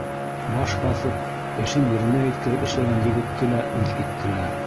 Баш баҫып, эшен еренә еткереп эшләгән егетте лә үҙ иттеләр.